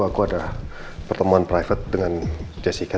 aku ada pertemuan private dengan jessica